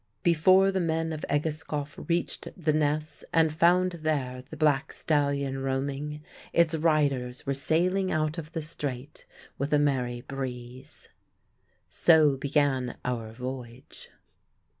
Before the men of Egeskov reached the Ness and found there the black stallion roaming, its riders were sailing out of the Strait with a merry breeze. So began our voyage.